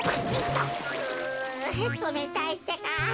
うつめたいってか。